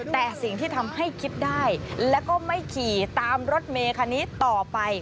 แต่สิ่งที่ทำให้คิดได้แล้วก็ไม่ขี่ตามรถเมคันนี้ต่อไป